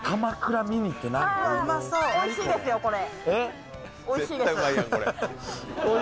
おいしいですよ、これ。